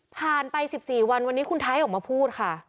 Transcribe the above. ไป๑๔วันวันนี้คุณไทยออกมาพูดค่ะ